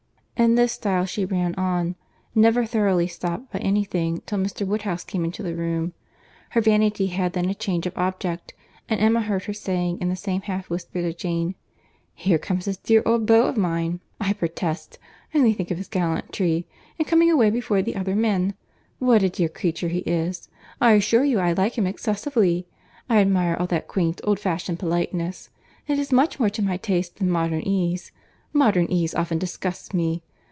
In this style she ran on; never thoroughly stopped by any thing till Mr. Woodhouse came into the room; her vanity had then a change of object, and Emma heard her saying in the same half whisper to Jane, "Here comes this dear old beau of mine, I protest!—Only think of his gallantry in coming away before the other men!—what a dear creature he is;—I assure you I like him excessively. I admire all that quaint, old fashioned politeness; it is much more to my taste than modern ease; modern ease often disgusts me.